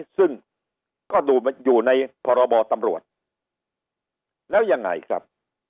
ซึ่งก็ดูอยู่ในพรบตำรวจแล้วยังไงครับ